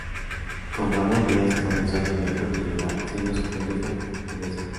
Con Ramón Díaz, comenzó a tener continuidad, siendo suplente de Cristian Ledesma.